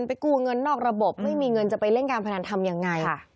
กู้เงินนอกระบบไม่มีเงินจะไปเล่นการพนันทำยังไง